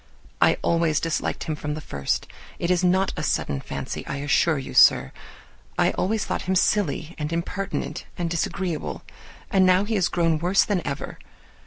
I always disliked him from the first: it is not a sudden fancy, I assure you, sir; I always thought him silly and impertinent and disagreeable, and now he is grown worse than ever.